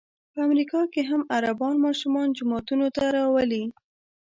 په امریکا کې هم عربان ماشومان جوماتونو ته راولي.